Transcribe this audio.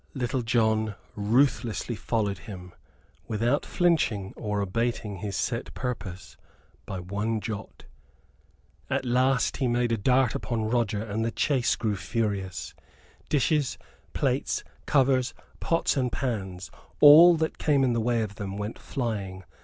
Little John ruthlessly followed him, without flinching or abating his set purpose by one jot. At last he made a dart upon Roger and the chase grew furious. Dishes, plates, covers, pots and pans all that came in the way of them went flying.